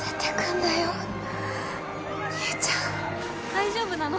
大丈夫なの？